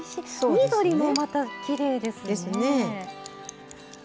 緑もまたきれいですね。